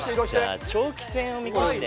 じゃあ長期戦を見越して。